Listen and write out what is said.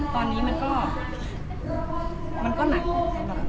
ตอนนี้มันก็หนักสำหรับหนู